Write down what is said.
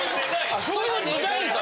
あそういうデザインか。